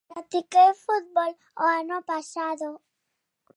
Practiqué fútbol o ano pasado.